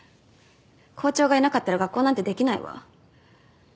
校長がいなかったら学校なんてできないわ。